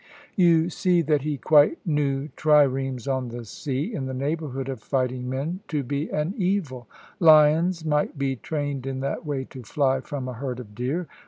You see that he quite knew triremes on the sea, in the neighbourhood of fighting men, to be an evil; lions might be trained in that way to fly from a herd of deer.